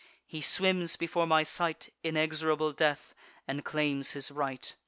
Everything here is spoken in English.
he swims before my sight, Inexorable Death; and claims his right.